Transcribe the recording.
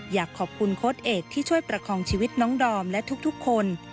อยากขอบคุณโค้ดเอกที่ช่วยประคองชีวิตน้องดอมและทุกคน